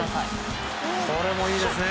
これもいいですね。